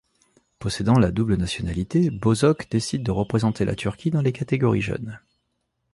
Possédant la double nationalité, Bozok décide de représenter la Turquie dans les catégories jeunes.